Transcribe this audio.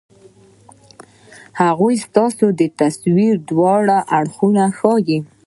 هغه تاسو ته د تصوير دواړه اړخونه ښائي